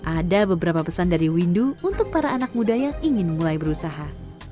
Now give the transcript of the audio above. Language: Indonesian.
ada beberapa pesan dari windu untuk para anak muda yang ingin mulai berusaha